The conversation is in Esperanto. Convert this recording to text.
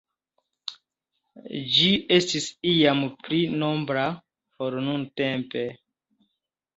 Ĝi estis iam pli nombra ol nuntempe.